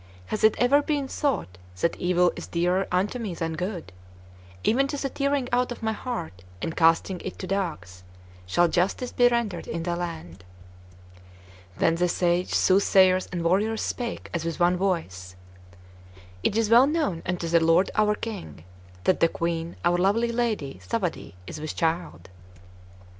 Has it ever been thought that evil is dearer unto me than good? Even to the tearing out of my heart and casting it to dogs shall justice be rendered in the land." Then the sages, soothsayers, and warriors spake as with one voice: "It is well known unto the lord our King, that the Queen, our lovely lady Thawadee, is with child.